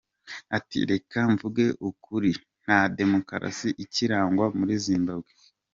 Ati “ Reka mvuge ukuri, nta demokarasi ikirangwa muri Zimbabwe.